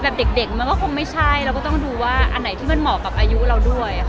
เด็กมันก็คงไม่ใช่เราก็ต้องดูว่าอันไหนที่มันเหมาะกับอายุเราด้วย